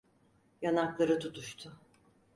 Yanakları tutuştu.